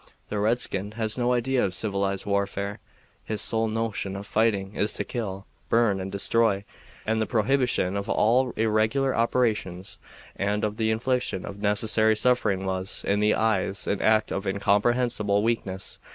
The redskin has no idea of civilized warfare. His sole notion of fighting is to kill, burn, and destroy, and the prohibition of all irregular operations and of the infliction of unnecessary suffering was, in his eyes, an act of incomprehensible weakness.